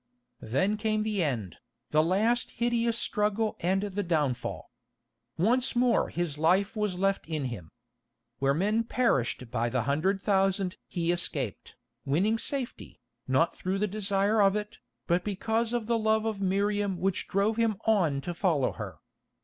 Then came the end, the last hideous struggle and the downfall. Once more his life was left in him. Where men perished by the hundred thousand he escaped, winning safety, not through the desire of it, but because of the love of Miriam which drove him on to follow her.